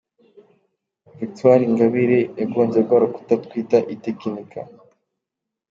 –Victoire ingabire yagonze rwa rukuta twita itekinika.